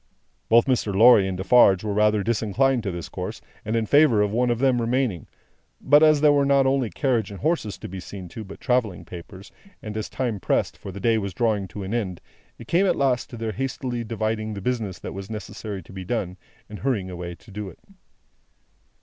Both Mr. Lorry and Defarge were rather disinclined to this course, and in favour of one of them remaining. But, as there were not only carriage and horses to be seen to, but travelling papers; and as time pressed, for the day was drawing to an end, it came at last to their hastily dividing the business that was necessary to be done, and hurrying away to do it.